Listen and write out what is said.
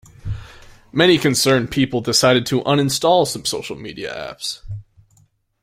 Many concerned people decided to uninstall some social media apps.